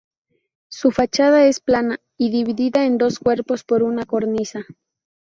Su fachada es plana y dividida en dos cuerpos por una cornisa.